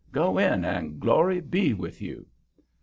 Go in, and glory be with you."